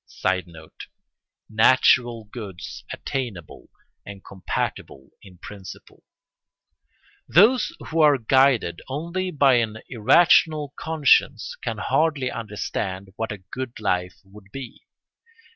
[Sidenote: Natural goods attainable and compatible in principle.] Those who are guided only by an irrational conscience can hardly understand what a good life would be.